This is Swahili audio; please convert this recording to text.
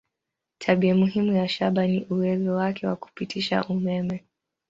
Tabia muhimu ya shaba ni uwezo wake wa kupitisha umeme.